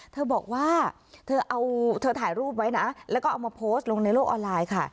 เธอบอกว่าเธอเอาเธอถ่ายรูปไว้นะแล้วก็เอามาโพสต์ลงในโลกออนไลน์ค่ะ